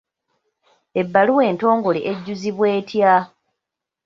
Ebbaluwa entongole ejjuzibwa etya?